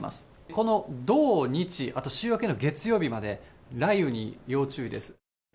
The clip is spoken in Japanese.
この土日、あと週明けの月曜日まで、雷雨に要注意です。